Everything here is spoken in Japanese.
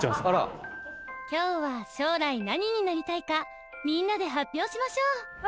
「今日は将来何になりたいかみんなで発表しましょう」